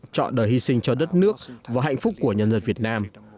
chọn đời hy sinh cho đất nước và hạnh phúc của nhân dân việt nam